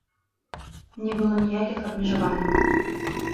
Не было ніякіх абмежаванняў.